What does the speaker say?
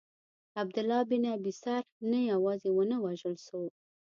عبدالله بن ابی سرح نه یوازي ونه وژل سو.